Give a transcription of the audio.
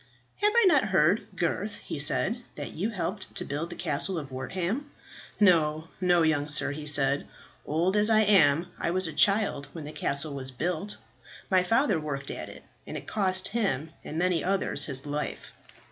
"Have I not heard, Gurth," he said, "that you helped to build the Castle of Wortham?" "No, no, young sir," he said; "old as I am, I was a child when the castle was built. My father worked at it, and it cost him, and many others, his life."